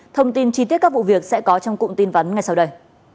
thông tin chi tiết các vụ việc sẽ có trong cụm tin vấn ngày sau đây